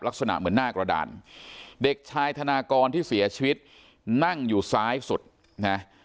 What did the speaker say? ลักษณะเหมือนหน้ากระดานเด็กชายธนากรที่เสียชีวิตนั่งอยู่ซ้ายสุดนะ